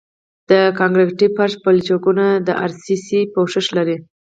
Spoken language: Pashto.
د کانکریټي فرش پلچکونه د ار سي سي پوښښ لري